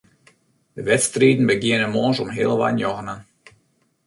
De wedstriden begjinne moarns om healwei njoggenen.